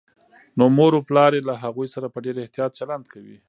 نو مور و پلار يې له هغوی سره په ډېر احتياط چلند کوي